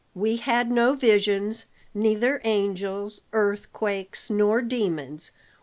"We had no visions; neither angels, earthquakes, nor demons.